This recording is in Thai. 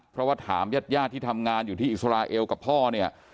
เพราะว่าถามญาติญาติที่ทำงานอยู่ที่อิสราเอลกับพ่อเนี่ย